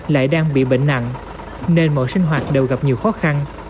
lại đang bị bệnh nặng nên mọi sinh hoạt đều gặp nhiều khó khăn